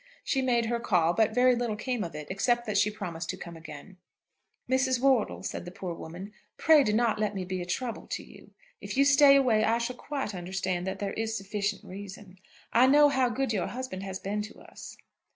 She made her call, but very little came of it, except that she promised to come again. "Mrs. Wortle," said the poor woman, "pray do not let me be a trouble to you. If you stay away I shall quite understand that there is sufficient reason. I know how good your husband has been to us."